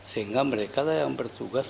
sehingga mereka lah yang bertugas